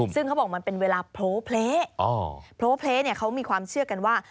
ซึ่งเขาบอกมันเป็นเวลาโพลเพลเนี่ยเขามีความเชื่อกันว่า